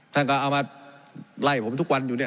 ท่านก็เอามาไล่ผมทุกวันอยู่เนี่ย